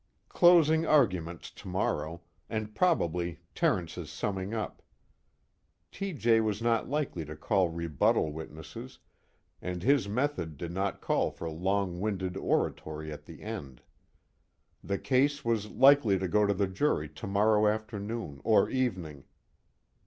Closing arguments tomorrow, and probably Terence's summing up: T.J. was not likely to call rebuttal witnesses, and his method did not call for long winded oratory at the end. The case was likely to go to the jury tomorrow afternoon or evening.